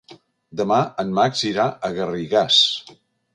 Demà en Max irà a Garrigàs.